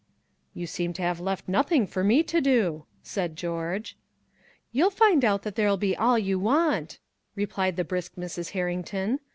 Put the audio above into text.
"You seem to have left nothing for me to do," said George. "You'll find out there'll be all you'll want," replied the brisk Mrs. Herrington.